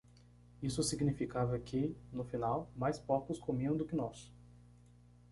Isso significava que, no final, mais porcos comiam do que nós.